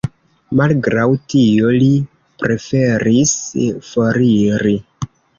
Malgraŭ tio, li preferis foriri.